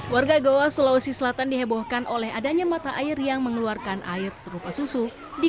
warga goa sulawesi selatan dihebohkan oleh adanya mata air yang mengeluarkan air serupa susu di